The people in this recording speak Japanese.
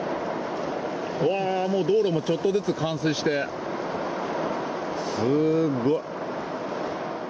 うわー、もう道路もちょっとずつ冠水して、すごい。